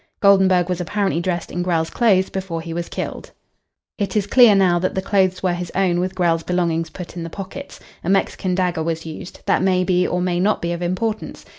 Goldenburg was apparently dressed in Grell's clothes before he was killed. It is clear now that the clothes were his own with Grell's belongings put in the pockets. A Mexican dagger was used. That may be or may not be of importance.